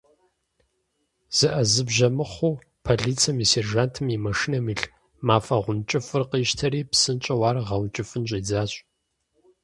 ЗыӀэзыбжьэ мыхъуу, полицэм и сержантым и машинэм илъ мафӀэгъэункӀыфӀыр къищтэри, псынщӀэу ар гъэункӀыфӀын щӀидзащ.